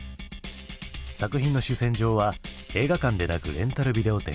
作品の主戦場は映画館でなくレンタルビデオ店。